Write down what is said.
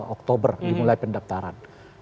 sepuluh oktober dimulai pendaftaran